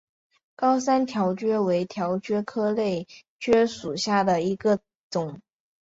高山条蕨为条蕨科条蕨属下的一个种。